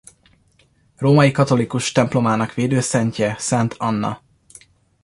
Római katolikus templomának védőszentje Szent Anna.